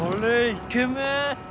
イケメン！